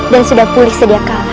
dan sudah pulih sediakawan